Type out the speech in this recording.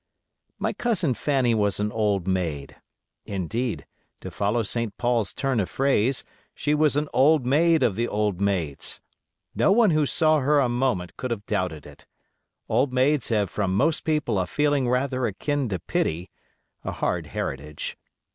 My cousin Fanny was an old maid; indeed, to follow St. Paul's turn of phrase, she was an old maid of the old maids. No one who saw her a moment could have doubted it. Old maids have from most people a feeling rather akin to pity—a hard heritage.